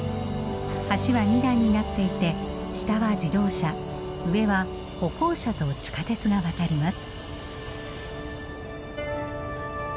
橋は二段になっていて下は自動車上は歩行者と地下鉄が渡ります。